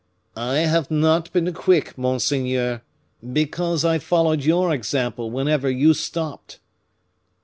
"I have not been quick, monseigneur," he replied, "because I followed your example whenever you stopped."